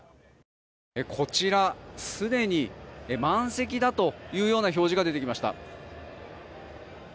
こちらすでに満席だというような表示が出てきました。